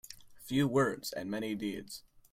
Few words and many deeds.